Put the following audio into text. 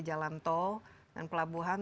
jalan tol dan pelabuhan